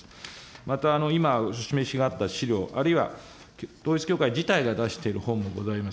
また今お示しがあった資料、あるいは統一教会自体が出している本もございます。